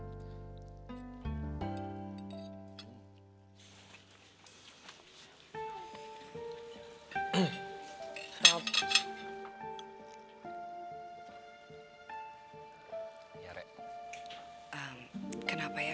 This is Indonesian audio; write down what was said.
baik baik saja udah begitu r varya